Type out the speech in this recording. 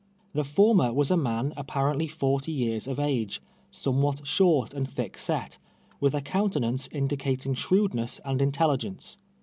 The for mer "was a man apparently forty years of age, some what short and thick set, with a countenance indica ting shrewdness and intelligence.